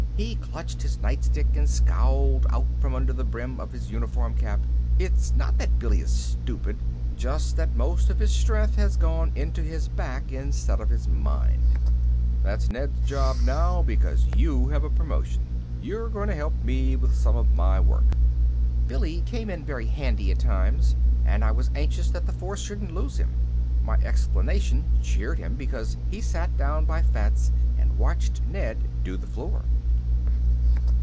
He clutched his nightstick and scowled out from under the brim of his uniform cap. It is not that Billy is stupid, just that most of his strength has gone into his back instead of his mind. "That's Ned's job now because you have a promotion. You are going to help me with some of my work." Billy came in very handy at times and I was anxious that the force shouldn't lose him. My explanation cheered him because he sat down by Fats and watched Ned do the floor.